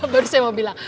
baru saya mau bilang